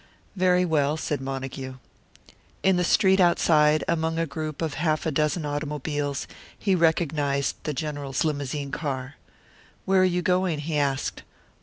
"Very well," said Montague. In the street outside, among a group of half a dozen automobiles, he recognised the General's limousine car. "Where are you going?" he asked.